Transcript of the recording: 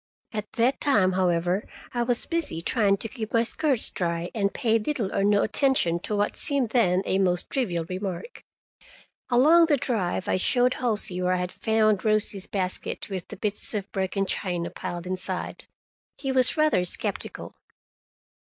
At that time, however, I was busy trying to keep my skirts dry, and paid little or no attention to what seemed then a most trivial remark. Along the drive I showed Halsey where I had found Rosie's basket with the bits of broken china piled inside. He was rather skeptical.